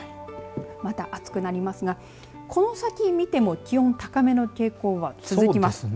また暑くなりますがこの先、見ても気温、高めの傾向は続きます。